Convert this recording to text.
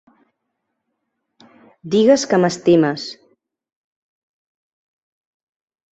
Digues que m'estimes.